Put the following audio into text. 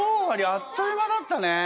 あっという間だったね。